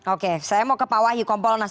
oke saya mau ke pak wahyu kompolnas